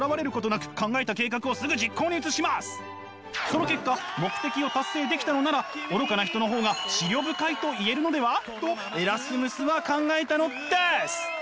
その結果目的を達成できたのなら愚かな人の方が思慮深いと言えるのでは？とエラスムスは考えたのです！